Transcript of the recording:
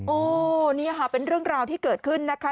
โอ้นี่ค่ะเป็นเรื่องราวที่เกิดขึ้นนะคะ